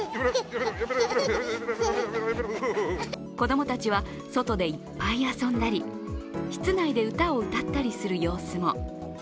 子供たちは外でいっぱい遊んだり室内で歌を歌ったりする様子も。